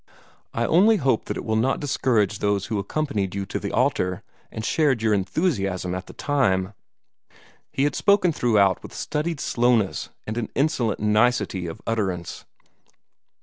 I only hope that it will not discourage those who accompanied you to the altar, and shared your enthusiasm at the time." He had spoken throughout with studied slowness and an insolent nicety of utterance.